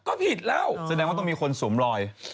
ก็ผิดแล้วแสดงว่าต้องมีคนสวมรอย